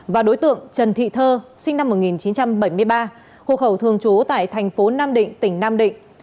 và đối tượng trần thị thơ sinh năm một nghìn chín trăm bảy mươi ba hộ khẩu thường trú tại thành phố nam định tỉnh nam định